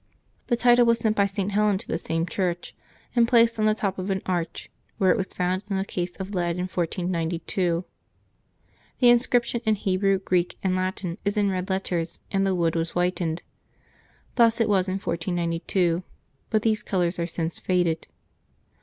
The title was sent by St. Helen to the same chnrch, and placed on the top of an arch, where it was found in a case of lead in 1492, The inscription in Hebrew, Greek, and Latin is in red letters, and the wood was whitened. Thus it was in 1492 ; but these colors are since faded.